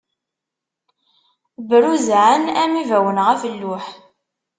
Bruzzɛen am ibawen ɣef lluḥ.